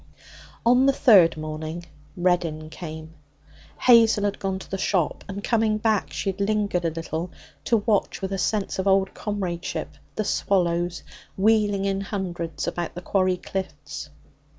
On the third morning Reddin came. Hazel had gone to the shop, and, coming back, she had lingered a little to watch with a sense of old comradeship the swallows wheeling in hundreds about the quarry cliffs.